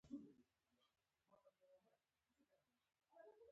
ماسکو پوځي او سیاسي ګټې لري.